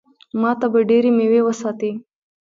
ما ته به ډېرې مېوې وساتي.